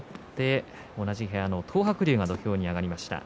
同じ部屋の東白龍が土俵に上がりました。